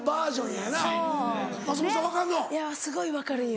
いやすごい分かるんよ。